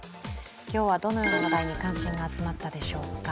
今日はどのような話題に関心が集まったでしょうか。